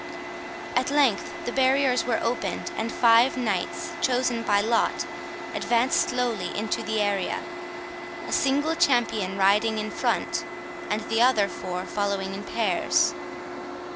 At length the barriers were opened, and five knights, chosen by lot, advanced slowly into the area; a single champion riding in front, and the other four following in pairs.